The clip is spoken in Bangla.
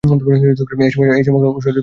এমন সময় অম্বিকাচরণ ইনফ্লুয়েঞ্জায় পড়িলেন।